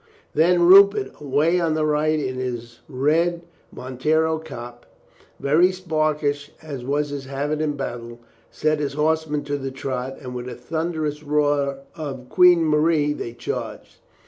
Then Rupert, away on the right in his red mon tero cap, very sparkish as was his habit in battle, set his horsemen to the trot, and with a thunderous roar of "Queen Marie!" they charged.